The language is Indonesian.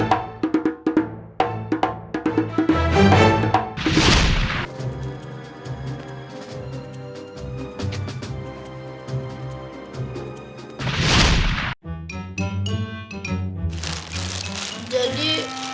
kamu bahkan lebih banyak yang terjadi